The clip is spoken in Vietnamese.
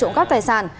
trộm cắp tài sản